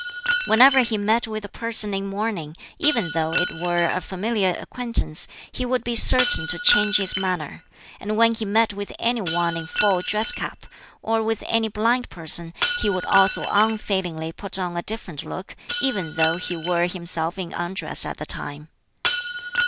Whenever he met with a person in mourning, even though it were a familiar acquaintance, he would be certain to change his manner; and when he met with any one in full dress cap, or with any blind person, he would also unfailingly put on a different look, even though he were himself in undress at the time.